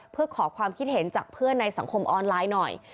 เพื่อขอความคิดเห็นจากเพื่อนในสังคมออนไลน์หน่อย